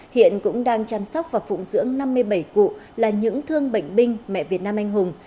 hiện cũng đang chăm sóc và phụng dưỡng năm mươi bảy cụ là những thương bệnh binh mẹ việt nam anh hùng